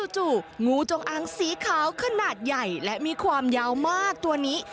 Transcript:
่งูจงอังสีขาวขนาดใหญ่และมีความยาวมากตัวนี้